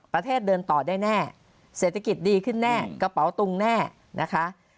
ประเทศเดินต่อได้แน่เศรษฐกิจดีขึ้นแน่กระเป๋าตุงแน่นะคะ